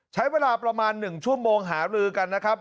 ใช้เวลาประมาณ๑ชั่วโมงหารือกันนะครับ